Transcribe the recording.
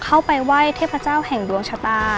เข้าไปไหว้เทพเจ้าแห่งดวงชะตา